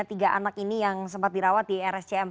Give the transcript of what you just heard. tiga anak ini yang sempat dirawat di rscm